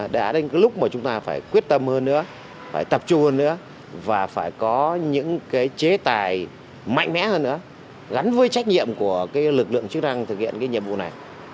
đã đến cái lúc mà chúng ta phải quyết tâm hơn nữa phải tập trung hơn nữa và phải có những cái chế tài mạnh mẽ hơn nữa gắn với trách nhiệm của lực lượng chức năng thực hiện cái nhiệm vụ này